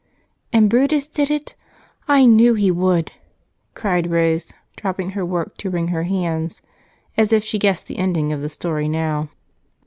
"And Brutus did it? I knew he would!" cried Rose, dropping her work to wring her hands, as if she guessed the ending of the story now.